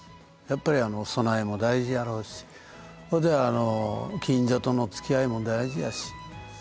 やっぱり備えも大事やろうしそれで近所とのつきあいも大事やし。